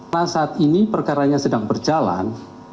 nah saat ini perkaranya sedang berjalan